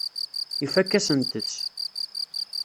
Ifakk-asent-tt.